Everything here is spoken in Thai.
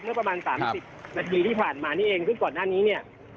ประมาณ๓๐นาทีที่ผ่านมานี่เองซึ่งก่อนหน้านี้เนี่ย